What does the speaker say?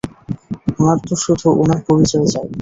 উনার তো শুধু উনার পরিচয় চাই।